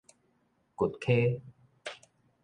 滑詼